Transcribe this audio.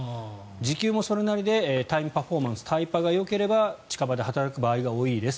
時給もそれなりでタイムパフォーマンスタイパがよければ近場で働く場合が多いです